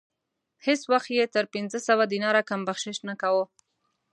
هیڅ وخت یې تر پنځه سوه دیناره کم بخشش نه کاوه.